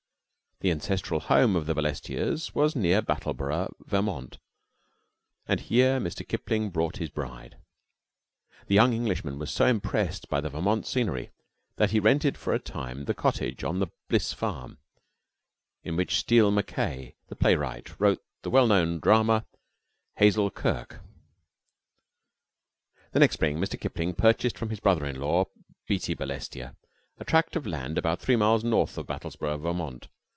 The ancestral home of the Balestiers was near Brattleboro', Vt., and here Mr. Kipling brought his bride. The young Englishman was so impressed by the Vermont scenery that he rented for a time the cottage on the "Bliss Farm," in which Steele Mackaye the playwright wrote the well known drama "Hazel Kirke." The next spring Mr. Kipling purchased from his brother in law, Beatty Balestier, a tract of land about three miles north of Brattleboro', Vt.